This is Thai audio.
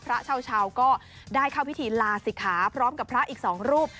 เช้าก็ได้เข้าพิธีลาศิกขาพร้อมกับพระอีกสองรูป